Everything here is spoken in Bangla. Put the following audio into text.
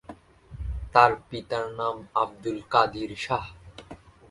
তার পিতার নাম আবদুল কাদির শাহ।